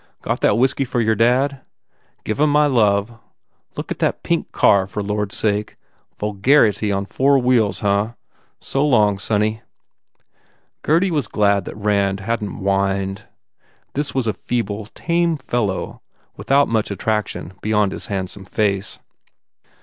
Got that whiskey for your dad? Give em my love. Look at that pink car, for lordsake ! Vulgar ity on four wheels, huh? So long, sonny." Gurdy was glad that Rand hadn t whined. This was a feeble, tame fellow without much attraction beyond his handsome face.